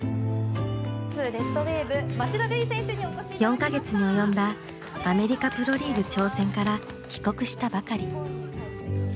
４か月に及んだアメリカ・プロリーグ挑戦から帰国したばかり。